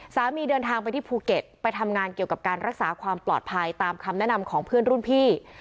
เดินทางไปที่ภูเก็ตไปทำงานเกี่ยวกับการรักษาความปลอดภัยตามคำแนะนำของเพื่อนรุ่นพี่